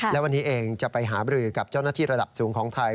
และวันนี้เองจะไปหาบรือกับเจ้าหน้าที่ระดับสูงของไทย